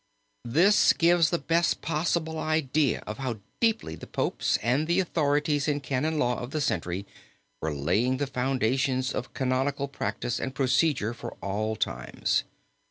This gives the best possible idea of how deeply the popes and the authorities in canon law of the century were laying the foundations of canonical practise and procedure for all times.